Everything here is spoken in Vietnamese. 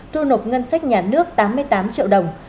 thu nộp ngân sách nhà nước tám mươi tám triệu đồng